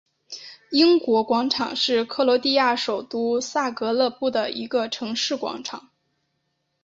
英国广场是克罗地亚首都萨格勒布的一个城市广场。